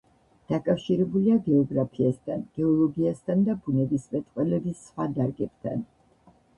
დაკავშირებულია გეოგრაფიასთან, გეოლოგიასთან და ბუნებისმეტყველების სხვა დარგებთან.